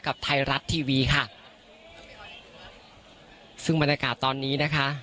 กับไทยรัฐทีวีค่ะซึ่งบรรยากาศตอนนี้นะคะ